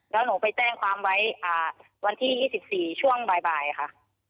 แล้วหนูไปแจ้งความไว้วันที่๒๔ช่วงบ่ายค่ะ